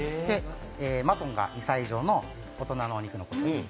マトンが２歳以上の大人のお肉です。